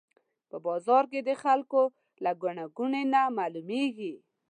په بازار کې د خلکو له ګڼې ګوڼې نه معلومېږي.